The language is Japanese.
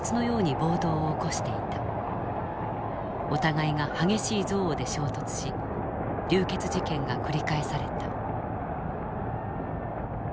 お互いが激しい憎悪で衝突し流血事件が繰り返された。